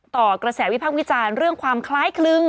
ต่อกระแสวิพักษ์วิจารณ์เรื่องความคล้ายคลึง